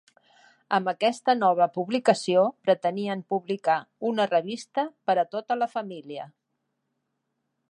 Amb aquesta nova publicació pretenien publicar una revista per a tota la família.